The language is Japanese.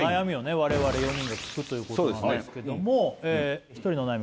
我々４人が聞くということなんですけどもひとりの悩み